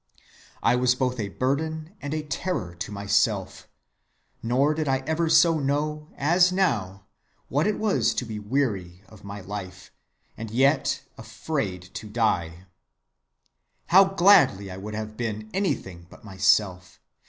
"I was both a burthen and a terror to myself; nor did I ever so know, as now, what it was to be weary of my life, and yet afraid to die. How gladly would I have been anything but myself!